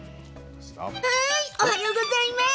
おはようございます。